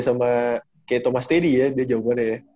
sama kayak thomas teddy ya dia jomblo nya ya